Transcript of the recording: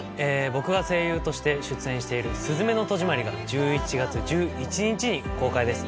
僕が声優として出演している『すずめの戸締まり』が１１月１１日に公開です。